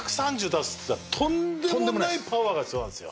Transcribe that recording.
出すっつったらとんでもないパワーが必要なんです。